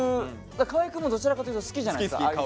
河合くんもどちらかというと好きじゃないですかああいう